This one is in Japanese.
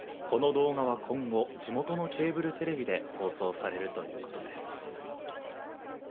この動画は今後地元のケーブルテレビで放送されるということです。